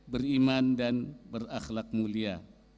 beriman dan berakhlak mulia